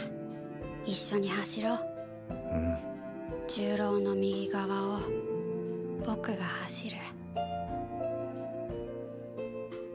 重郎の右側を僕が走る。